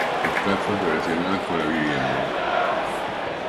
Estafas relacionadas con la vivienda